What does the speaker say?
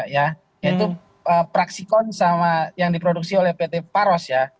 yaitu praxicon yang diproduksi oleh pt paros